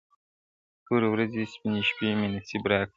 توري ورځي سپیني شپې مي نصیب راکړې-